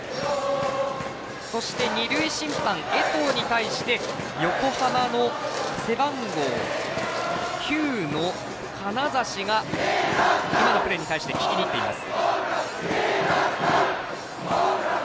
そして二塁審判、江藤に対して横浜の背番号９の金刺が今のプレーに対して聞きにいっています。